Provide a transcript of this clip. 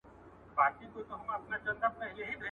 • په يوه چپلاخه د سلو مخ خوږېږي.